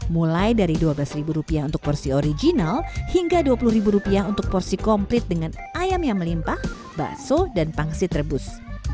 mulai dari dua belas rupiah untuk porsi original hingga dua puluh rupiah untuk porsi komplit dengan ayam yang melimpah bakso dan pangsit rebus